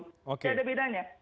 tidak ada bedanya